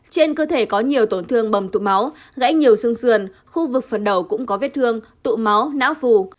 trên cơ thể có nhiều tổn thương bầm tụt máu gãy nhiều xương khu vực phần đầu cũng có vết thương tụ máu não phù